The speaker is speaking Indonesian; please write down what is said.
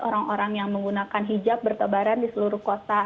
orang orang yang menggunakan hijab bertebaran di seluruh kota